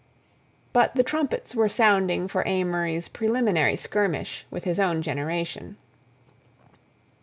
But the trumpets were sounding for Amory's preliminary skirmish with his own generation.